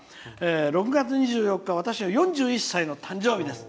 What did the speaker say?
「６月２４日私は、４１歳の誕生日です」。